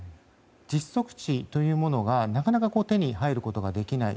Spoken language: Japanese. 実測値というものが、なかなか手に入れることができない。